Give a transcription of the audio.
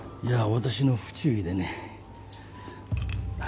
いや私の不注意でね。